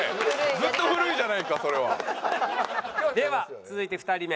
ずっと古いじゃないかそれは。では続いて２人目。